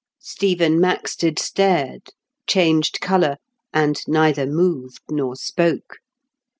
Stephen Maxted stared, changed colour, and neither moved nor spoke.